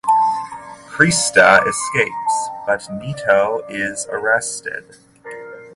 Krista escapes but Nito is arrested.